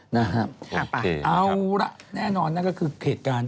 นะฮะโอเคเอาละแน่นอนนั่นก็คือเหตุการณ์